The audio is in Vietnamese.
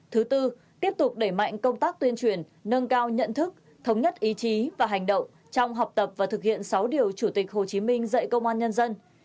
thứ tư tiếp tục đẩy mạnh công tác tuyên truyền nâng cao nhận thức thống nhất ý chí và hành động trong học tập và thực hiện sáu điều chủ tịch hồ chí minh dạy công an nhân dân